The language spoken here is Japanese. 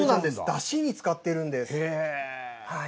だしに使っているんです。